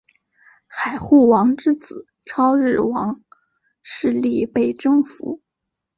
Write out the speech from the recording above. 海护王之子超日王势力被征服。